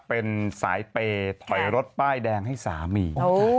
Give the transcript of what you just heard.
เป็นสายเปย์ถอยรถป้ายแดงให้สามี